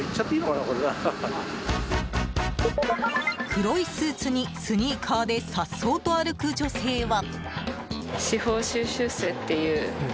黒いスーツにスニーカーで颯爽と歩く女性は。